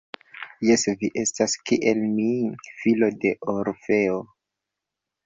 Jes, vi estas kiel mi, filo de Orfeo.